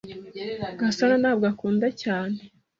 Gasana ntabwo akunda cyane.